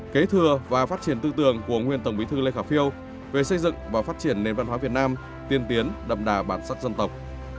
kế thừa và phát triển tư tưởng của nguyên tổng bí thư lê khả phiêu về xây dựng và phát triển nền văn hóa việt nam tiên tiến đậm đà bản sắc dân tộc